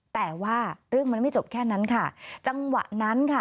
แต่ว่าเรื่องมันไม่จบแค่นั้นค่ะจังหวะนั้นค่ะ